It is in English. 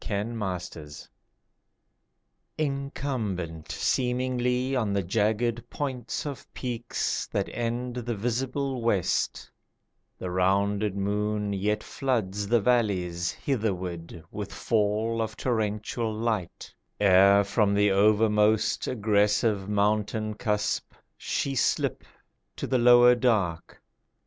THE NIGHT FOREST Incumbent seemingly On the jagged points of peaks That end the visible west, The rounded moon yet floods The valleys hitherward With fall of torrential light, Ere from the overmost Aggressive mountain cusp, She slip to the lower dark.